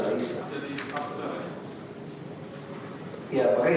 jadi staf saudaranya